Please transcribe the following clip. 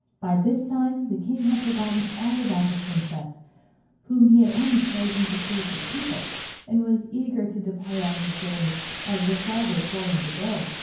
By this time the king had forgotten all about the princess, whom he had only chosen to please his people, and was as eager to depart on his journey as the frog was for him to go.